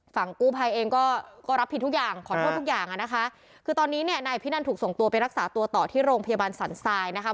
ฝั่งกู้ภัยเองก็รับผิดทุกอย่างขอโทษทุกอย่างคือตอนนี้นายอภินันถูกส่งตัวไปรักษาตัวต่อที่โรงพยาบาลสรรค์ไซม์